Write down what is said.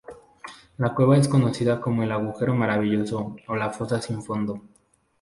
La cueva es conocida como el "Agujero Maravilloso" o la "Fosa Sin fondo".